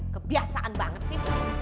kebiasaan banget sih